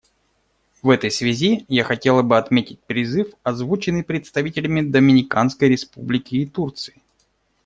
В этой связи я хотела бы отметить призыв, озвученный представителями Доминиканской Республики и Турции.